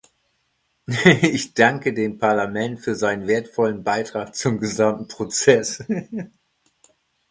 Ich danke dem Parlament für seinen wertvollen Beitrag zum gesamten Prozess.